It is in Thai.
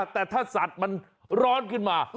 แต่ถ้าสัตว์มันร้อนขึ้นมา